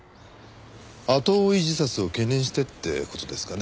後追い自殺を懸念してって事ですかね？